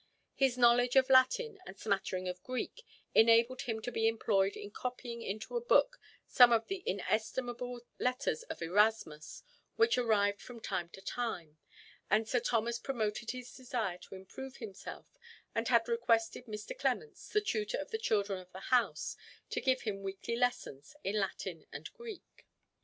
His knowledge of Latin and smattering of Greek enabled him to be employed in copying into a book some of the inestimable letters of Erasmus which arrived from time to time, and Sir Thomas promoted his desire to improve himself, and had requested Mr. Clements, the tutor of the children of the house, to give him weekly lessons in Latin and Greek.